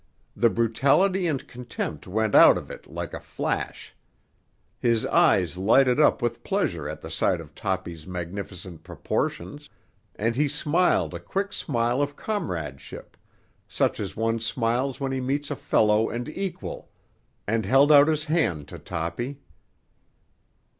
The brutality and contempt went out of it like a flash. His eyes lighted up with pleasure at the sight of Toppy's magnificent proportions, and he smiled a quick smile of comradeship, such as one smiles when he meets a fellow and equal, and held out his hand to Toppy.